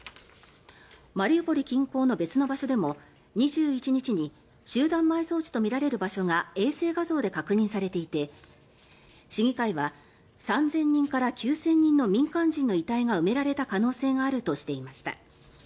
マリウポリ近郊の別の場所でも２１日に集団埋葬地とみられる場所が衛星画像で確認されていて市議会は３０００人から９０００人の民間人の遺体が埋められた可能性があるとしていました。